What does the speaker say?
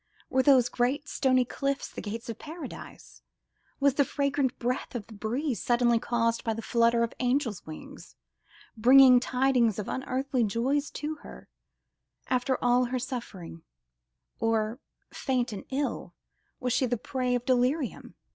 Were those great, stony cliffs the gates of paradise? Was the fragrant breath of the breeze suddenly caused by the flutter of angels' wings, bringing tidings of unearthly joys to her, after all her suffering, or—faint and ill—was she the prey of delirium?